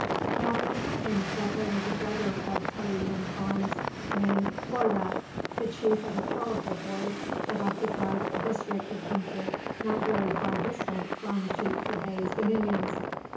Now it happened that there was a brother of Tayian Khan's, named Boyrak, the chief of a powerful horde that occupied a district of country not very far distant from Tukta Bey's dominions.